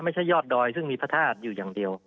ยอดดอยซึ่งมีพระธาตุอยู่อย่างเดียว